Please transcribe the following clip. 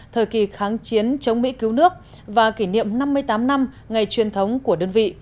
thời kỳ kháng chiến chống mỹ cứu nước và kỷ niệm năm mươi tám năm ngày truyền thống của đơn vị